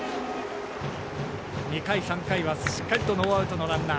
２回、３回はしっかりとノーアウトのランナー。